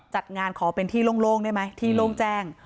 จัดงานขอเป็นที่โล่งได้ไหมที่โล่งแจ้ง